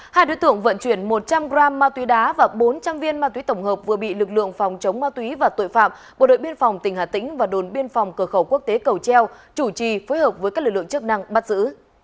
hai đối tượng vận chuyển một trăm linh g ma túy đá và bốn trăm linh viên ma túy tổng hợp vừa bị lực lượng phòng chống ma túy và tội phạm bộ đội biên phòng tỉnh hà tĩnh và đồn biên phòng cửa khẩu quốc tế cầu treo chủ trì phối hợp với các lực lượng chức năng bắt giữ